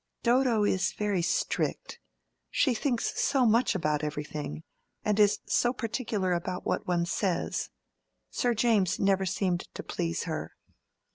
"Dodo is very strict. She thinks so much about everything, and is so particular about what one says. Sir James never seemed to please her."